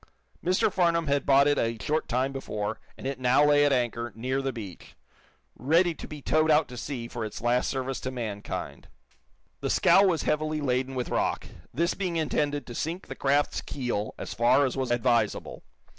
Mr. Farnum had bought it a short time before and it now lay at anchor, near the beach, ready to be towed out to sea for its last service to mankind. The scow was heavily laden with rock, this being intended to sink the craft's keel as far as was advisable.